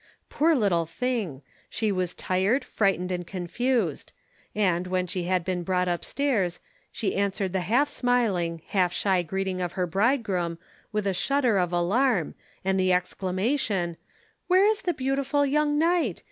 Poor little thing! She was tired, frightened, and confused; and, when she had been brought upstairs, she answered the half smiling, half shy greeting of her bridegroom with a shudder of alarm, and the exclamation, "Where is the beautiful young knight?